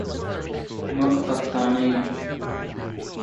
She came up with the song really fast.